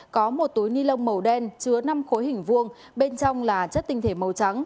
có một túi ni lông màu đen chứa năm khối hình vuông bên trong là chất tinh thể màu trắng